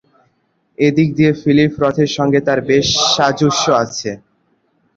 এদিক দিয়ে ফিলিপ রথের সঙ্গে তার বেশ সাযুজ্য আছে।